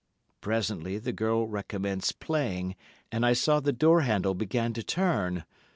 Presently the girl recommenced playing, and I saw the door handle began to turn.